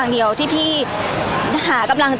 พี่ตอบได้แค่นี้จริงค่ะ